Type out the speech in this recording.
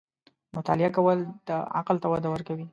• مطالعه کول، د عقل ته وده ورکوي.